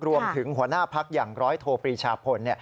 รวมถึงหัวหน้าพักษ์อย่างร้อยโทปรีชาพล